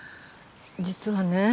実はね